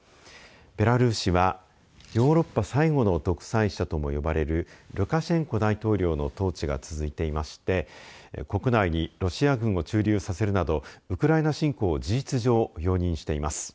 ベラルーシはヨーロッパ最後の独裁者とも呼ばれるルカシェンコ大統領の統治が続いていまして国内にロシア軍を駐留させるなどウクライナ侵攻を事実上、容認しています。